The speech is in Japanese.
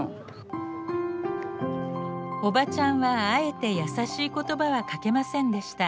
おばちゃんはあえて優しい言葉はかけませんでした。